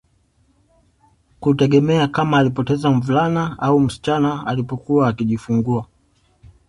Kutegemea kama alipoteza mvulana au msichana alipokuwa akijifungua